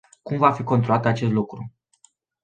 Cum va fi controlat acest lucru?